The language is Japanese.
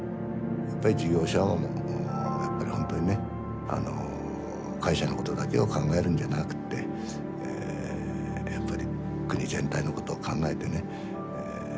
やっぱり事業者はもうやっぱりほんとにね会社のことだけを考えるんじゃなくってやっぱり国全体のことを考えてね